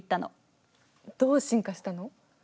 どう進化したの？